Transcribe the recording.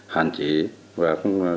hạn chế tình trạng khai thác tận diệt